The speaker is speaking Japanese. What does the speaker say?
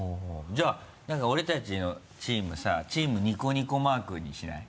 じゃあ何か俺たちのチームさチーム「二コニコマーク」にしない？